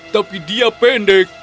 tapi dia pendek